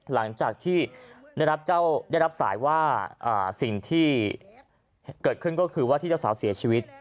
หลังจากที่ได้รับสายว่าสิ่งที่เกิดขึ้นก็คือว่าที่เจ้าสาวเสียชีวิต